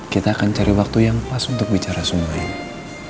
kita akan cari waktu yang pas untuk bicara semua ini